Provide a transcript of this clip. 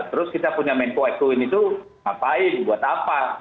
terus kita punya menko eko ini tuh ngapain buat apa